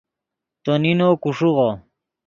تو نینو کو ݰیغو